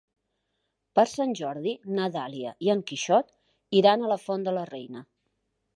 Per Sant Jordi na Dàlia i en Quixot iran a la Font de la Reina.